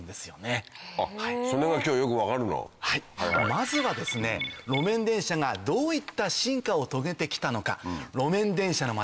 まずは路面電車がどういった進化を遂げてきたのか路面電車の街